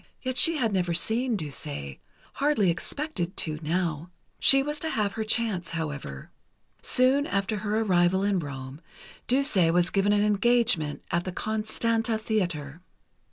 Yet she had never seen Duse ... hardly expected to, now. She was to have her chance, however. Soon after her arrival in Rome, Duse was given an engagement at the Constanta Theatre.